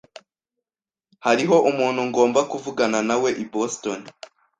Hariho umuntu ngomba kuvugana nawe i Boston.